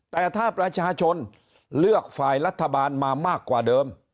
แต่ถ้าประชาชนเลือกฝ่ายรัฐบาลมามากกว่าเดิม